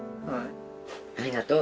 ありがとう。